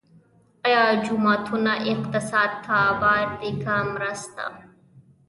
آیا جوماتونه اقتصاد ته بار دي که مرسته؟